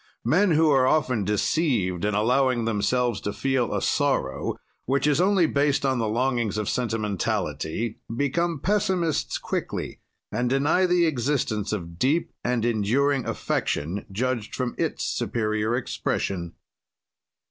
"Men who are often deceived in allowing themselves to feel a sorrow which is only based on the longings of sentimentality become pessimists quickly and deny the existence of deep and enduring affection judged from its superior expression.